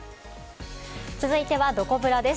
続いてはどこブラです。